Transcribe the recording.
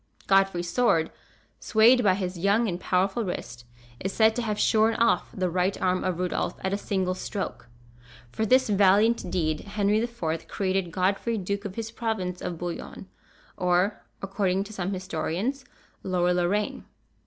Godfrey's sword, swayed by his young and powerful wrist, is said to have shorn off the right arm of Rudolph at a single stroke. For this valiant deed, Henry IV. created Godfrey Duke of his province of Bouillon; or, according to some historians, Lower Lorraine.